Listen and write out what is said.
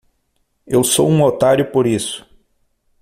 Eu sou um otário por isso.